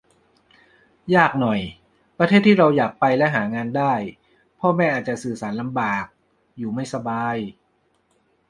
ยากหน่อย ประเทศที่เราอยากไปและหางานได้ พ่อแม่อาจจะสื่อสารลำบาก อยู่ไม่สบาย